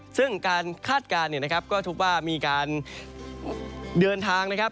ซึ่งการคาดการณ์ก็ทุกว่ามีการเดินทาง